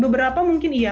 beberapa mungkin iya